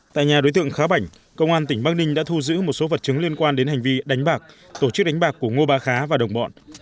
tại nhà đối tượng khá bảnh công an tỉnh bắc ninh đã thu giữ một số vật chứng liên quan đến hành vi đánh bạc tổ chức đánh bạc của ngô ba khá và đồng bọn